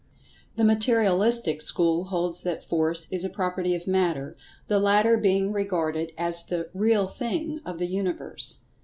[Pg 113] The Materialistic school holds that Force is a property of Matter, the latter being regarded as the "real thing" of the Universe.